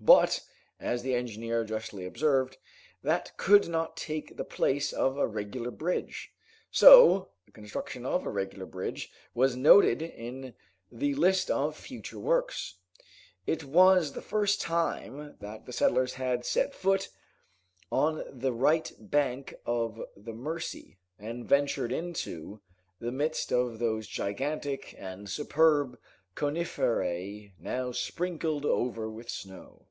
"But," as the engineer justly observed, "that could not take the place of a regular bridge!" So, the construction of a regular bridge was noted in the list of future works. It was the first time that the settlers had set foot on the right bank of the Mercy, and ventured into the midst of those gigantic and superb coniferae now sprinkled over with snow.